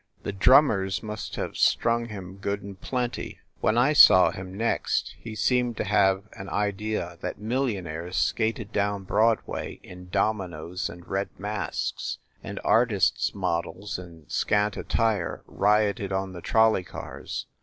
The drummers must have strung him good and plenty. When I saw him next he seemed to have an idea that millionaires skated down Broadway in dominos and red masks, and artists models in scant attire rioted on the trol ley cars.